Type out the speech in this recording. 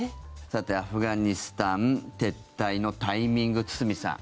さて、アフガニスタン撤退のタイミング堤さん